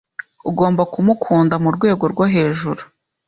ugomba kumukunda murwego rwo hejuru